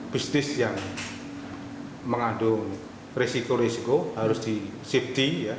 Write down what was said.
bisnis yang mengandung risiko risiko harus di safety ya